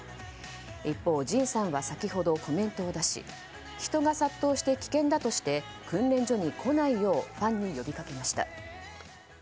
一方、ＪＩＮさんは先ほどコメントを出し人が殺到して危険だとして訓練所に来ないようファンに呼びかけました。